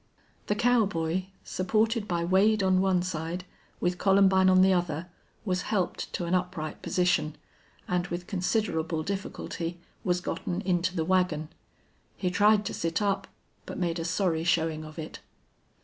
The cowboy, supported by Wade on one side, with Columbine on the other, was helped to an upright position, and with considerable difficulty was gotten into the wagon. He tried to sit up, but made a sorry showing of it.